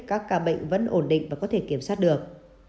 các ca bệnh vẫn ổn định và có thể kiểm soát được